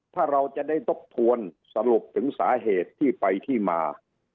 ถ้าเราจะได้ทบทวนสรุปถึงสาเหตุที่ไปที่มา